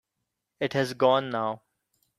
It has gone now.